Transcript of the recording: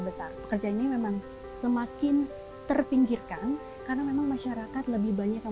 besar pekerjaan ini memang semakin terpinggirkan karena memang masyarakat lebih banyak yang